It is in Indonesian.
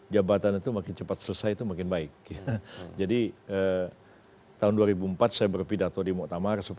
jabatan itu makin cepat cepat